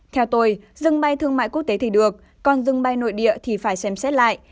theo tôi dừng bay thương mại quốc tế thì được còn dừng bay nội địa thì phải xem xét lại